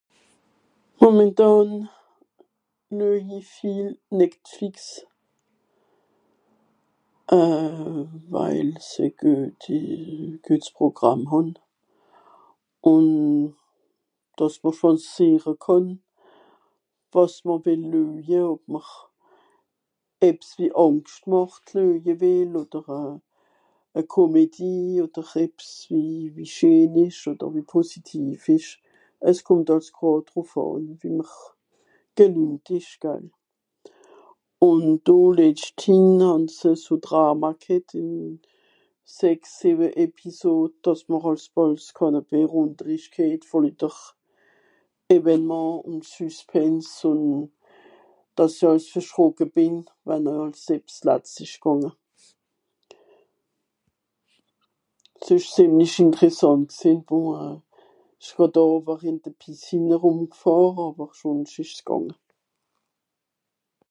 Momentàn luej i viel netflix. Euh... weil se güeti... güets Progràm hàn ùn dàss mr schwàsìere kànn, wàs mr wìll lueje ob mr ebbs wie Àngscht màcht lueje wìll odder e... e Komédi odder ebbs wie... wie scheen ìsch odder wie positiv ìsch. Es kùmmt àlso drùff àn wie mr gemìetlisch, gall ? Ùn do (...) han se so Drama ghet ìn sechs sìwe Episod, dàss mr (...) Evènement ùn Süspens ùn, dàss i àls verschrocke bìn wenn ebbs latz ìsch gànge. S'ìsch zìemlich interressànt gsìnn. Bon euh... (...) ìn de Piscine rùmgfàhre àwer schùnsch ìsch's gànge.